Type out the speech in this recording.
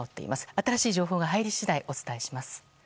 新しい情報が入り次第お伝えします。